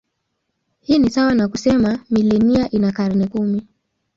Hii ni sawa na kusema milenia ina karne kumi.